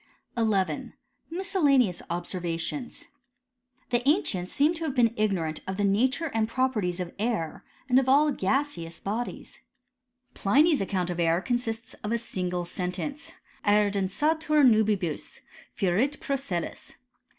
XI. MISCELLANEOUS OBSERVATIONS. The ancients seem to have been ignorant of the na ture and properties of air^ and of sdl gaseous \)Q^^« 102 HISTORY OP CHEMISTRY. Pliny's account of air consists of a single senteiide :" Aer densatur nubibus ; furit procellis.''